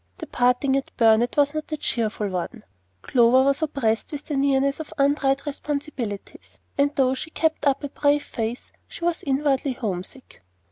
The parting at Burnet was not a cheerful one. Clover was oppressed with the nearness of untried responsibilities; and though she kept up a brave face, she was inwardly homesick.